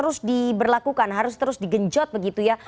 terus diberlakukan harus terus digenjot begitu ya